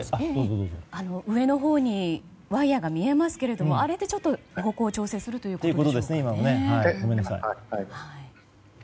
上のほうにワイヤが見えますがあれでちょっと調整するということですね。